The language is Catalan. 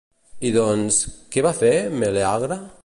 I doncs, què va fer Melèagre?